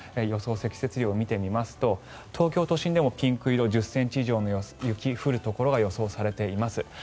予想積雪量を見てみますと東京都心でもピンク色１０ｃｍ以上の雪が降るところが予想されています。